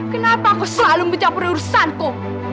kenapa kau selalu menjauh perurusanku